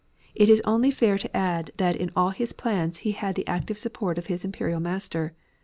It is only fair to add that in all his plans he had the active support of his Imperial Master.